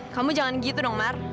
kamu jangan gitu dong mar